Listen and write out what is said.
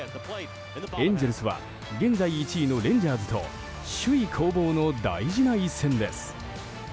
エンゼルスは現在１位のレンジャーズと首位攻防の大事な一戦です。